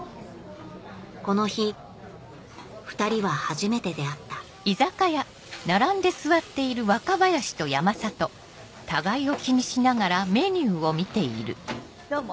この日ふたりは初めて出会ったどうも。